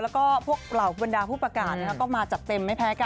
แล้วก็พวกเหล่าบรรดาผู้ประกาศก็มาจัดเต็มไม่แพ้กัน